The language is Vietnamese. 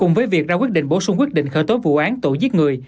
cùng với việc ra quyết định bổ sung quyết định khởi tố vụ án tội giết người